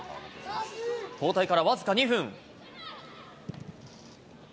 交代から僅か２分。